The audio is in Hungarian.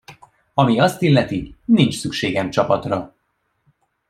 Ami azt illeti, nincs szükségem csapatra.